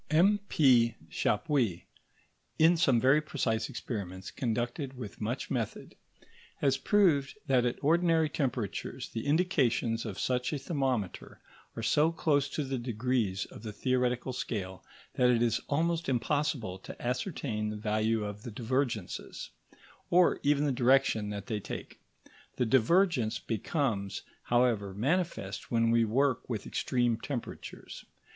M.P. Chappuis, in some very precise experiments conducted with much method, has proved that at ordinary temperatures the indications of such a thermometer are so close to the degrees of the theoretical scale that it is almost impossible to ascertain the value of the divergences, or even the direction that they take. The divergence becomes, however, manifest when we work with extreme temperatures.